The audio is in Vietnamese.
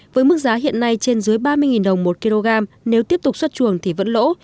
với mức giá hiện nay trên dưới ba mươi đồng một kg nếu tiếp tục xuất chuồng thì vẫn lỗ